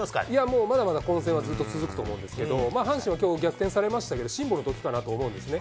もうまだまだ混戦はずっと続くと思うんですけど、阪神はきょう、逆転されましたけど、辛抱のときかなと思うんですね。